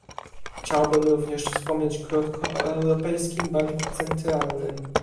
Chciałbym również wspomnieć krótko o Europejskim Banku Centralnym